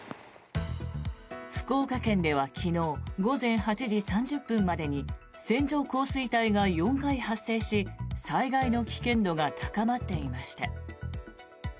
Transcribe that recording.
福岡県では昨日午前８時３０分までに線状降水帯が４回発生し災害の危険度が高まっていました。